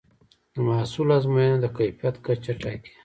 د محصول ازموینه د کیفیت کچه ټاکي.